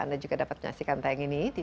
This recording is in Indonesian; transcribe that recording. anda juga dapat menyaksikan tayang ini